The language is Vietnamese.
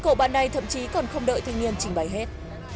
cổ bạn này thậm chí còn không đợi thanh niên trình bày hết